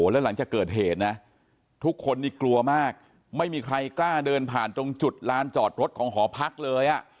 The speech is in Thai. แล้วหลังจากเกิดเหตุนะทุกคนนี่กลัวมากไม่มีใครกล้าเดินผ่านตรงจุดลานจอดรถของหอพักเลย